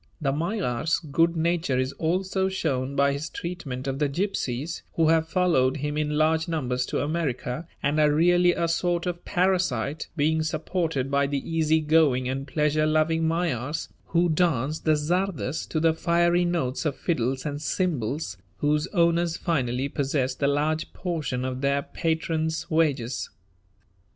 The Magyar's good nature is also shown by his treatment of the gypsies, who have followed him in large numbers to America, and are really a sort of parasite, being supported by the easy going and pleasure loving Magyars, who dance the czardas to the fiery notes of fiddles and cymbals whose owners finally possess the largest portion of their patron's wages.